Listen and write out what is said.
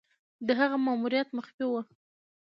د هغه ماموریت مخفي وو.